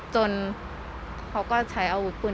จนเขาก็ใช้อาวุธคุณ